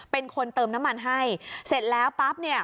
เป็นคนเติมน้ำมันให้เสร็จแล้วปั๊บเนี่ย